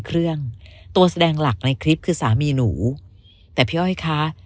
เครื่องตัวแสดงหลักในคลิปคือสามีหนูแต่พี่อ้อยคะ